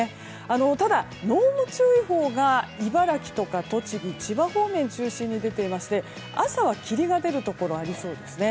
ただ、濃霧注意報が茨城や栃木、千葉方面を中心に出ていまして朝は霧が出るところありそうですね。